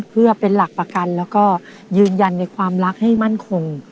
เพื่อเป็นหลักประกันแล้วก็ยืนยันในความรักให้มั่นคง